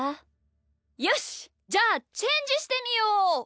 よしじゃあチェンジしてみよう！